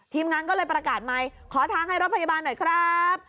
ทีมงานก็เลยประกาศไมค์ขอทางให้รถพยาบาลหน่อยครับ